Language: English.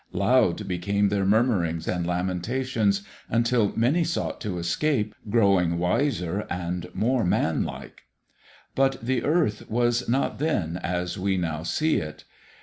Loud became their murmurings and lamentations, until many sought to escape, growing wiser and more man like. But the earth was not then as we now see it.